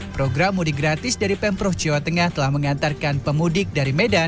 program mudik gratis dari pemprov jawa tengah telah mengantarkan pemudik dari medan